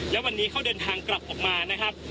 แล้ววันนี้เขาเดินทางกลับออกมานะครับ